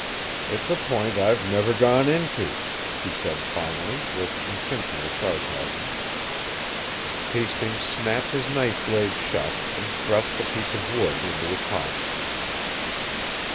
"It's a point I've never gone into," he said finally, with intentional sarcasm. Hastings snapped his knife blade shut and thrust the piece of wood into his pocket.